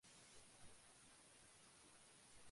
দেনা তুমি শোধ করবে কী করে।